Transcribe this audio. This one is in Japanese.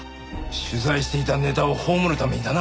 取材していたネタを葬るためにだな。